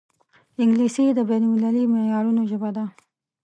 انګلیسي د بین المللي معیارونو ژبه ده